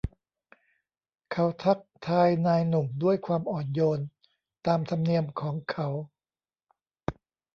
เขาทักทายนายหนุ่มด้วยความอ่อนโยนตามธรรมเนียมของเขา